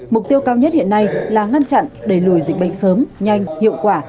mục tiêu cao nhất hiện nay là ngăn chặn đẩy lùi dịch bệnh sớm nhanh hiệu quả